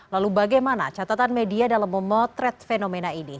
lalu bagaimana catatan media dalam memotret fenomena ini